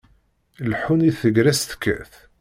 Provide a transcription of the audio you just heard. Ileḥḥun i tegrest tekkat.